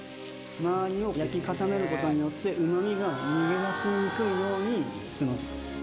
周りを焼き固めることによって、うまみが逃げ出しにくいようにしてます。